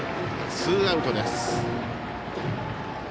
ツーアウトです。